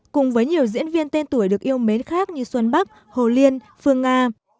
cùng với nhiều diễn viên tên tuổi được yêu mến khác như xuân bắc hồ liên phương nga